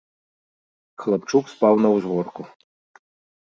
Хлапчук спаў на ўзгорку.